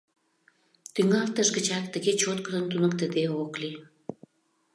Тӱҥалтыш гычак тыге чоткыдын туныктыде ок лий.